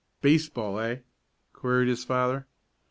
"Baseball; eh?" queried his father.